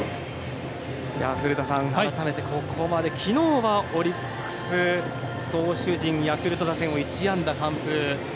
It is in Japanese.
古田さん、改めてここまで昨日はオリックス投手陣がヤクルト打線を１安打完封。